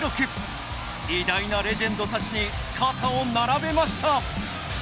偉大なレジェンドたちに肩を並べました。